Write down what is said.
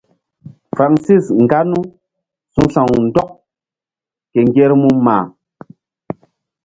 Francis nganou su̧ sa̧w ndɔk ke ŋgermu mma.